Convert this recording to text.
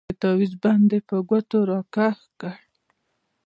د تاويز بند يې په ګوتو راکښ کړ.